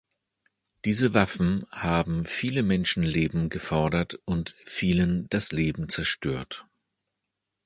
Diese Waffen haben viele Menschenleben gefordert und vielen das Leben zerstört.